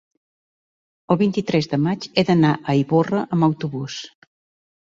el vint-i-tres de maig he d'anar a Ivorra amb autobús.